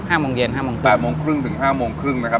โมงเย็นห้าโมงครึ่งแปดโมงครึ่งถึงห้าโมงครึ่งนะครับ